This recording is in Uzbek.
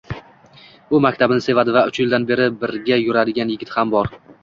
U maktabini sevadi va uch yildan beri birga yuradigan yigiti ham bor.